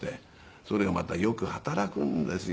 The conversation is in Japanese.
それがまたよく働くんですよ。